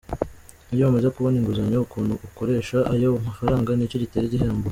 Iyo wamaze kubona inguzanyo ukuntu ukoresha ayo mafaranga nicyo gitera igihombo.